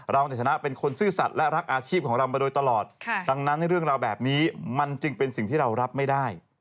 ในฐานะเป็นคนซื่อสัตว์และรักอาชีพของเรามาโดยตลอดดังนั้นเรื่องราวแบบนี้มันจึงเป็นสิ่งที่เรารับไม่ได้